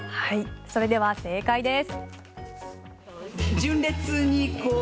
それでは正解です。